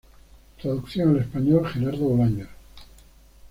Traducción al español: Gerardo Bolaños.